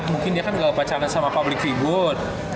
mungkin dia kan gak pacaran sama public figure